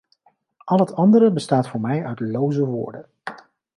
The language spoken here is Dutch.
Al het andere bestaat voor mij uit loze woorden.